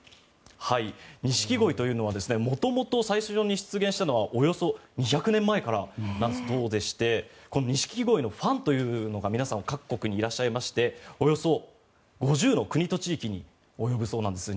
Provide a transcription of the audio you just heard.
ニシキゴイというのは元々最初に出現したのはおよそ２００年前からだそうでしてニシキゴイのファンというのが皆さん各国にいらっしゃいましておよそ５０の国と地域に及ぶそうなんです。